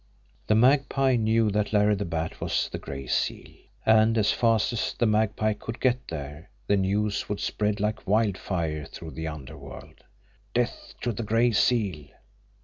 The Magpie knew that Larry the Bat was the Gray Seal and as fast as the Magpie could get there, the news would spread like wildfire through the underworld. "Death to the Gray Seal!